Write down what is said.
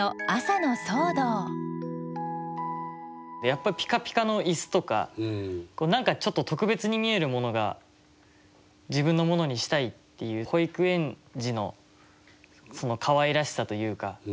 やっぱぴかぴかのイスとか何かちょっと特別に見えるものが自分のものにしたいっていう保育園児のそのかわいらしさというか。